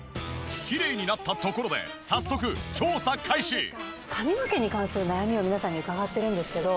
きれいになったところで早速髪の毛に関する悩みを皆さんに伺ってるんですけど。